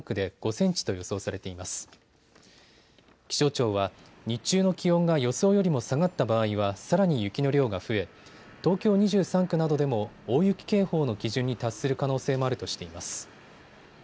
気象庁は日中の気温が予想よりも下がった場合はさらに雪の量が増え東京２３区などでも大雪警報の基準に達する可能性もあるとしています。